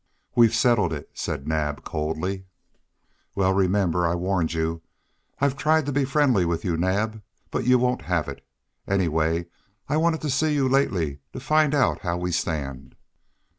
"We've settled it," said Naab, coldly. "Well, remember, I've warned you. I've tried to be friendly with you, Naab, but you won't have it. Anyway, I've wanted to see you lately to find out how we stand."